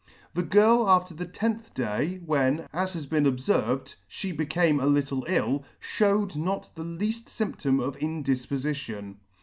The girl after the tenth day, when, as has been obferved, fhe became a little ill, (hewed not the lead; fymptom of indifpofition.